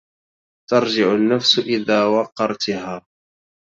ترجع النفس إذا وقرتها